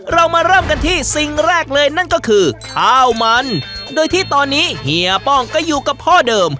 เรามาเริ่มกันที่สิ่งแรกเลยนั่นก็คือข้าวมันโดยที่ตอนนี้เฮียป้องก็อยู่กับพ่อเดิม